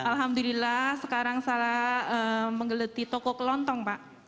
alhamdulillah sekarang saya menggeleti toko kelontong pak